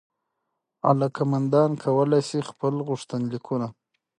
علاقمندان کولای سي خپل غوښتنلیکونه